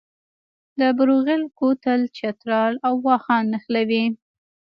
د بروغیل کوتل چترال او واخان نښلوي